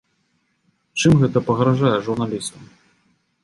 Чым гэта пагражае журналістам?